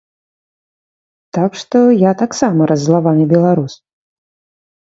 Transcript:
Так што, я таксама раззлаваны беларус.